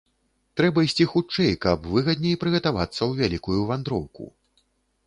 Трэба ісці хутчэй, каб выгадней прыгатавацца ў вялікую вандроўку!